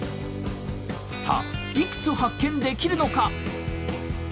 さあいくつ発見できるのか。